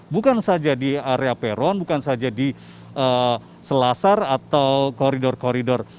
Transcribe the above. bukan saja di area peron bukan saja di selasar atau koridor koridor